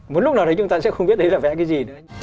muốn lúc nào thì chúng ta sẽ không biết đấy là vẽ cái gì